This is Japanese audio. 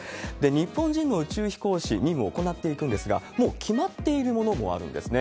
日本人の宇宙飛行士、任務を行っていくんですが、もう決まっているものもあるんですね。